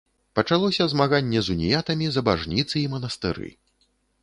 Пачалося змаганне з уніятамі за бажніцы і манастыры.